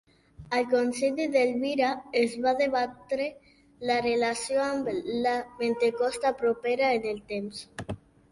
Al Concili d'Elvira es va debatre la relació amb la Pentecosta, propera en el temps.